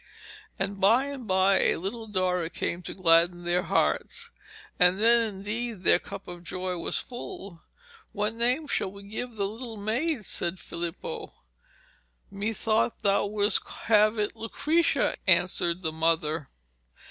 And by and by a little daughter came to gladden their hearts, and then indeed their cup of joy was full. 'What name shall we give the little maid?' said Filippo. 'Methought thou wouldst have it Lucrezia,' answered the mother.